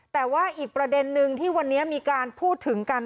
แต่ว่าอีกประเด็นนึงที่วันนี้มีการพูดถึงกัน